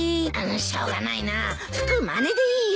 しょうがないな吹くまねでいいよ。